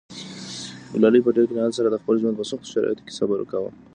ګلالۍ په ډېر قناعت سره د خپل ژوند په سختو شرایطو کې صبر کاوه.